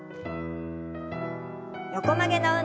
横曲げの運動です。